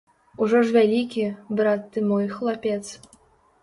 Ужо ж вялікі, брат ты мой, хлапец!